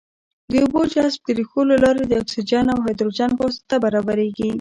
د اوبو جذب د ریښو له لارې د اکسیجن او هایدروجن په واسطه برابریږي.